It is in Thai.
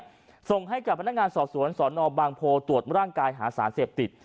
ส่งให้กับพนักงานสอบสวนสนบางโพตรวจร่างกายหาสารเสพติด